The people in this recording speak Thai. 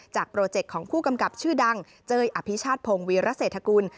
โปรเจคของผู้กำกับชื่อดังเจ้ยอภิชาติพงศ์วีรเศรษฐกุล